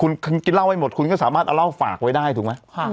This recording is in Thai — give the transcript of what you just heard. คุณกินเหล้าไว้หมดคุณก็สามารถเอาเหล้าฝากไว้ได้ถูกไหม